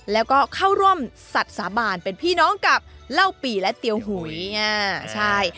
แล้วก็เข้าร่วมสัตว์สาบานเป็นพี่น้องกับเหล้าปี่และเตียวหุยใช่